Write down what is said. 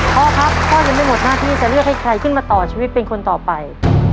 พ่อครับพ่อยังไม่หมดหน้าที่จะเลือกให้ใครขึ้นมาต่อชีวิตเป็นคนต่อไป